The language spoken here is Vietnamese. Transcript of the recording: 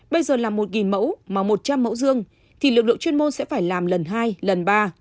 bây giờ làm một nghìn mẫu mà một trăm mẫu dương thì lực lượng chuyên môn sẽ phải làm lần hai lần ba